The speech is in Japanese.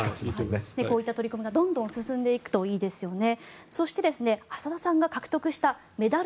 こういった取り組みがどんどん進んでいくといいですよね。